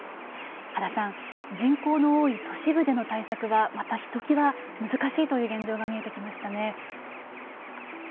秦さん、人口の多い都市部での対策はまたひと際難しいという現状が見えてきましたね。